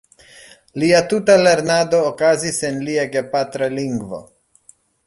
Lia tuta lernado okazis en lia gepatra lingvo.